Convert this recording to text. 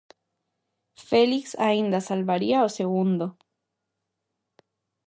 Félix aínda salvaría o segundo.